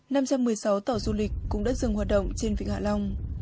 năm trăm một mươi sáu tàu du lịch cũng đã dừng hoạt động trên vịnh hạ long